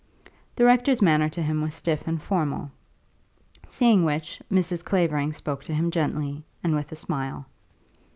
The Rector's manner to him was stiff and formal; seeing which Mrs. Clavering spoke to him gently, and with a smile.